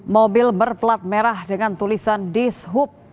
mobil berplat merah dengan tulisan dishub